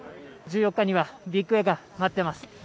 １４日にはビッグエアが待ってます。